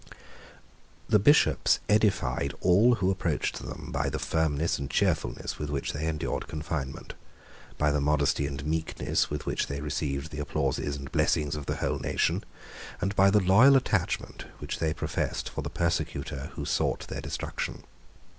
The Bishops edified all who approached them by the firmness and cheerfulness with which they endured confinement, by the modesty and meekness with which they received the applauses and blessings of the whole nation, and by the loyal attachment which they professed for the persecutor who sought their destruction.